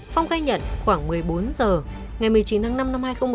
phong khai nhận khoảng một mươi bốn giờ ngày một mươi chín tháng năm năm hai nghìn một mươi bảy